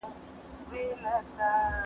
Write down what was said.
ټولنه د ګډ فکر پايله ده.